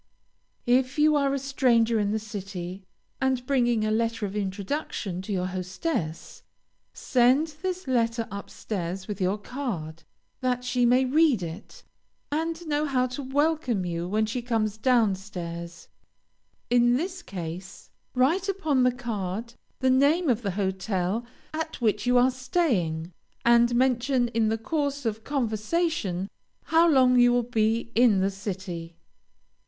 If you are a stranger in the city, and bring a letter of introduction to your hostess, send this letter up stairs with your card, that she may read it, and know how to welcome you when she comes down stairs. In this case, write upon the card the name of the hotel at which you are staying, and mention in the course of conversation, how long you will be in the city.